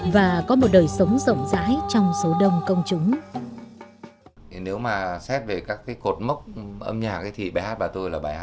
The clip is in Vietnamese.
và có một đồng chí là